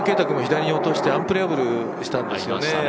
君も左に落としてアンプレヤブルしたんですよね。